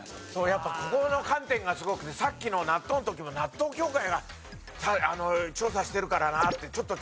やっぱここの観点がすごくてさっきの納豆の時も納豆協会が調査してるからなってちょっと小声。